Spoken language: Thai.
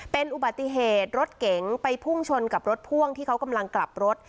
เป็นอุบัติเหตุรถเก๋งไปพุ่งชนกับรถพ่วงที่เขากำลังกลับรถ